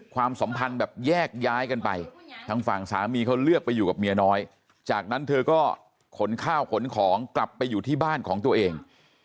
ความสัมพันธ์แบบแยกย้ายกันไปทางฝั่งสามีเขาเลือกไปอยู่กับเมียน้อยจากนั้นเธอก็ขนข้าวขนของกลับไปอยู่ที่บ้านของตัวเอง